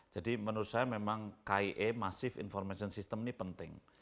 jadi menurut saya memang kie massive information system ini penting